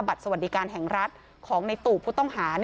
สวัสดีการแห่งรัฐของในตู่ผู้ต้องหา